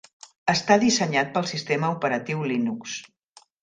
Està dissenyat pel sistema operatiu Linux.